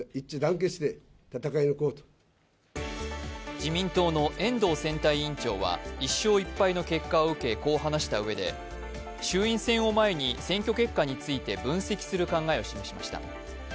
自民党の遠藤選対委員長は１勝１敗の結果を受け、こう話したうえで衆院選を前に選挙結果について分析する考えを示しました。